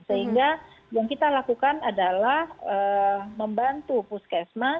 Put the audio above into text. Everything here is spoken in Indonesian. sehingga yang kita lakukan adalah membantu puskesmas